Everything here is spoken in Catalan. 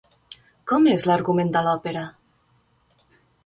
Com és l'argument de l'òpera?